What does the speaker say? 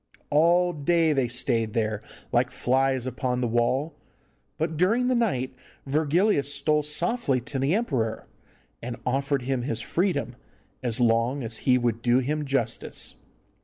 All day they stayed there like flies upon the wall, but during the night Virgilius stole softly to the emperor, and offered him his freedom, as long as he would do him justice.